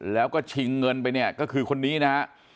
แล้วก็ชิงเงินไปเนี่ยก็คือคนนี้นะฮะ